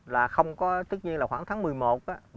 là không có tất nhiên là khoảng tháng một mươi một á